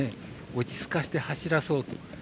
落ち着かせて走らそうと。